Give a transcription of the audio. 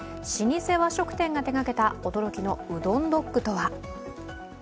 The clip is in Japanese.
老舗和食店が手がけた驚きのうどんドッグとは。